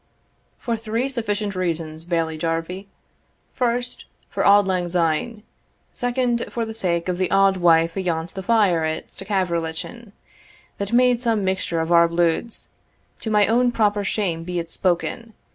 "For three sufficient reasons, Bailie Jarvie. First, for auld langsyne; second, for the sake of the auld wife ayont the fire at Stuckavrallachan, that made some mixture of our bluids, to my own proper shame be it spoken!